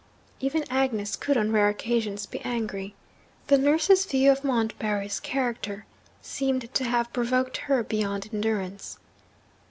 Even Agnes could, on rare occasions, be angry. The nurse's view of Montbarry's character seemed to have provoked her beyond endurance.